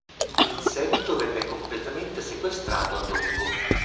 In seguito venne completamente sequestrato a Dongo.